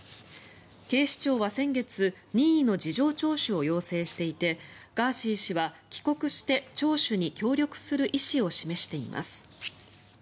警視庁は先月任意の事情聴取を要請していてガーシー氏は帰国して聴取に協力する意思を示しています。